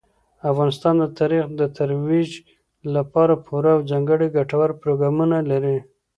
افغانستان د تاریخ د ترویج لپاره پوره او ځانګړي ګټور پروګرامونه لري.